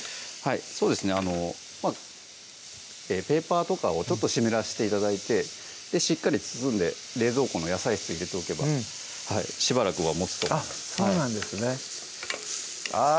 そうですねペーパーとかをちょっと湿らして頂いてしっかり包んで冷蔵庫の野菜室入れておけばしばらくはもつとそうなんですねあぁ